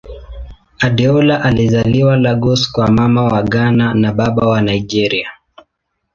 Adeola alizaliwa Lagos kwa Mama wa Ghana na Baba wa Nigeria.